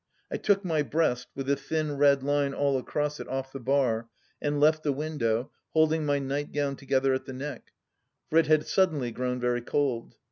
I took my breast, with the thin red line all across it off the bar, and left the window, holding my nightgown together at the neck, for it had suddenly grown very cold.